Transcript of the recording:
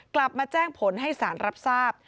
กลับมาแจ้งผลให้สารรับทราบ